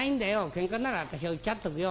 けんかなら私はうっちゃっとくよ。